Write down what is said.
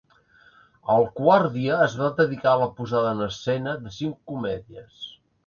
El quart dia es va dedicar a la posada en escena de cinc comèdies.